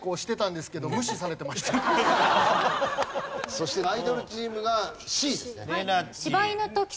そしてアイドルチームがＣ。